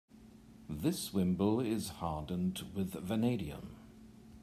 This wimble is hardened with vanadium.